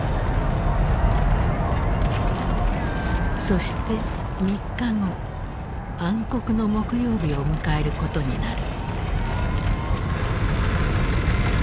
そして３日後暗黒の木曜日を迎えることになる。